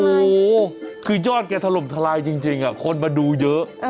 โอ้โหคือยอดแกถล่มทลายจริงคนมาดูเยอะ